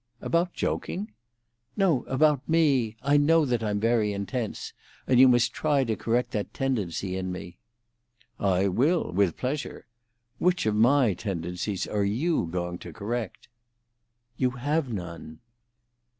"About joking?" "No, about me. I know that I'm very intense, and you must try to correct that tendency in me." "I will, with pleasure. Which of my tendencies are you going to correct?" "You have none."